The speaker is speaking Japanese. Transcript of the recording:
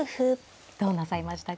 どうなさいましたか。